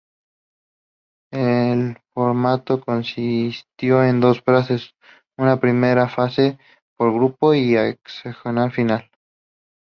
El formato consistió de dos fases: una primera fase por grupos y hexagonal final.